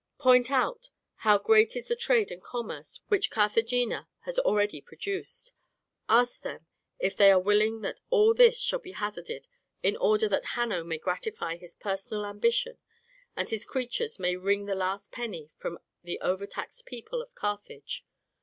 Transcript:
"Point out how great is the trade and commerce which Carthagena has already produced. Ask them if they are willing that all this shall be hazarded, in order that Hanno may gratify his personal ambition, and his creatures may wring the last penny from the over taxed people of Carthage.